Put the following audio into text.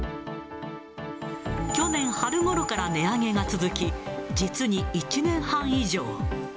去年春ごろから値上げが続き、実に１年半以上。